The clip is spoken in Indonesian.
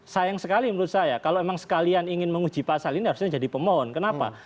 sayang sekali menurut saya kalau memang sekalian ingin menguji pasal ini harusnya jadi pemohon kenapa